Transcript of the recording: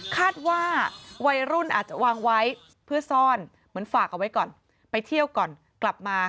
คาดว่าวัยรุ่นอาจจะวางไว้เพื่อซ่อนเหมือนฝากเอาไว้ก่อนไปเที่ยวก่อนกลับมา